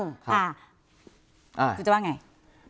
คุณจะบอกยังไง